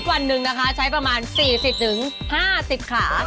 วันหนึ่งนะคะใช้ประมาณ๔๐๕๐ขา